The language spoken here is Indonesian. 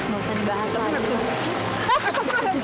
gak usah dibahas